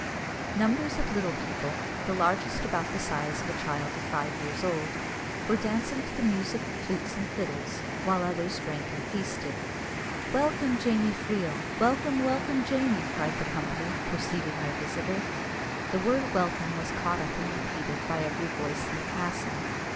Numbers of little people, the largest about the size of a child of five years old, were dancing to the music of flutes and fiddles, while others drank and feasted. "Welcome, Jamie Freel! welcome, welcome, Jamie!" cried the company, perceiving their visitor. The word "Welcome" was caught up and repeated by every voice in the castle.